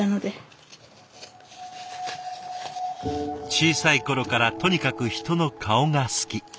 小さい頃からとにかく人の顔が好き。